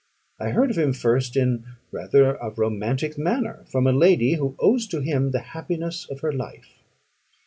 I heard of him first in rather a romantic manner, from a lady who owes to him the happiness of her life.